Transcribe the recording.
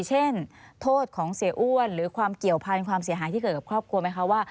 โทษของเสียอ้วนหรือความเกี่ยวพันธุ์ความเสียหายที่เกิดกับครอบครัวไหมคะว่า